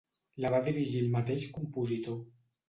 La va dirigir el mateix compositor.